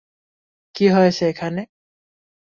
কি হয়েছে এখানে?